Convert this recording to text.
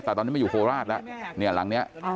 แต่ตอนนี้ไม่อยู่โคราชแล้วเนี่ยหลังนี้